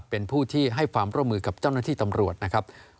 เป็นผู้ที่ให้ความร่วมมือกับเจ้าหน้าที่ตำรวจนะครับ